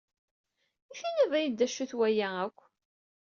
I tinid-iyi-d d acu-t waya akk?